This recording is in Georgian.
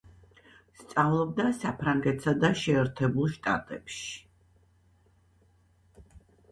სწავლობდა საფრანგეთსა და შეერთებულ შტატებში.